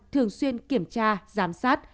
thường xuyên kiểm tra giám sát